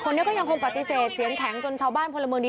นี้ก็ยังคงปฏิเสธเสียงแข็งจนชาวบ้านพลเมืองดี